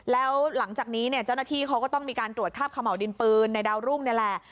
แล้วหลังจากนี้เนี่ยเจ้าหน้าที่เขาก็ต้องมีการตรวจคาบขม่าวดินปืนในดาวรุ่งนี่แหละ